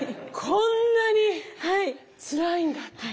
こんなにつらいんだって。